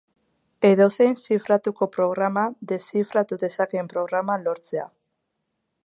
Edozein zifratutako programa deszifratu dezakeen programa lortzea.